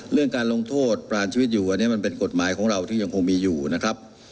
เรื่องการลงโทษปรานชีวิตอยู่อันนี้มันเป็นกฎหมายของเราที่ยังคงมีอยู่นะครับ